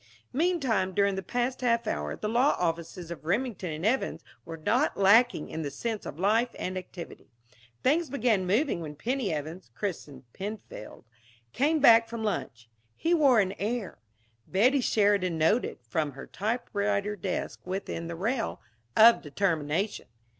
Meantime, during the past half hour, the law offices of Remington and Evans were not lacking in the sense of life and activity. Things began moving when Penny Evans (christened Penfield) came back from lunch. He wore an air Betty Sheridan noted, from her typewriter desk within the rail of determination.